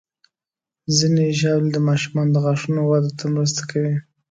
ځینې ژاولې د ماشومانو د غاښونو وده ته مرسته کوي.